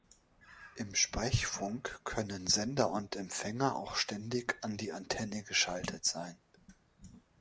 Im Sprechfunk können Sender und Empfänger auch ständig an die Antenne geschaltet sein.